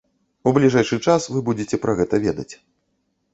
У бліжэйшы час вы будзеце пра гэта ведаць.